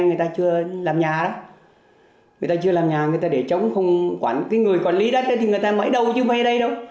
người ta chưa làm nhà người ta để trống người quản lý đất thì người ta mấy đâu chứ không phải ở đây đâu